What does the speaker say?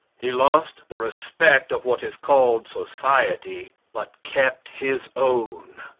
He lost the respect of what is called society, but kept his own.